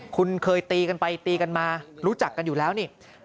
คุณเคยตีกันไปตีกันมารู้จักกันอยู่แล้วนี่